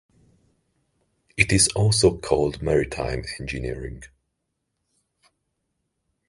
It is also called maritime engineering.